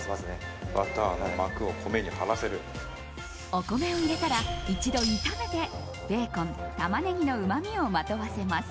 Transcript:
お米を入れたら一度炒めてベーコン、タマネギのうまみをまとわせます。